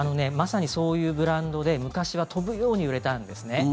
まさにそういうブランドで昔は飛ぶように売れたんですね。